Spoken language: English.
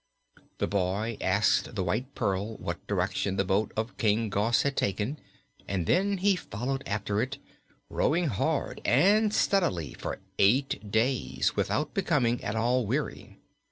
The boy asked the White Pearl what direction the boat of King Gos had taken and then he followed after it, rowing hard and steadily for eight days without becoming at all weary.